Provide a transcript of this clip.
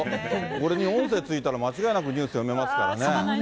これに音声付いたら間違いなくニュース読めますからね。